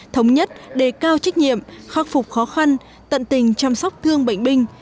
thống nhất đề cao trách nhiệm khắc phục khó khăn tận tình chăm sóc thương bệnh binh